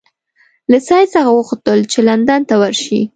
له سید څخه وغوښتل چې لندن ته ورشي.